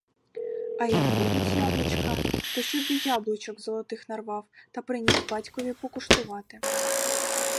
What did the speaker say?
А як будуть яблучка, то щоб і яблучок золотих нарвав та приніс батькові покуштувати.